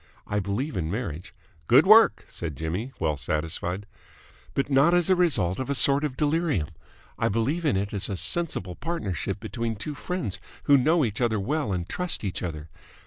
I believe in marriage. ..." "Good work!" said Jimmy, well satisfied. "... But not as the result of a sort of delirium. I believe in it as a sensible partnership between two friends who know each other well and trust each other.